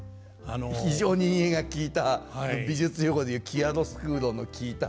非常に陰影が効いた美術用語でいうキアロスクーロの効いた。